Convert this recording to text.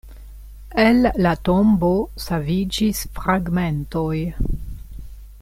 El la Tombo saviĝis fragmentoj.